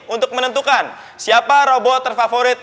untuk menentukan siapa robot terfavorit